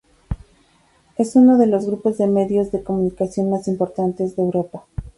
Es uno de los grupos de medios de comunicación más importantes de Europa.